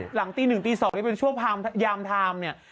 หลังตีหนึ่งตีสองจะช่วยย่ามทาม